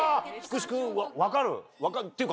ていうか。